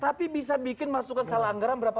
tapi bisa bikin masukkan salanggaran berapa